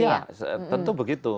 iya tentu begitu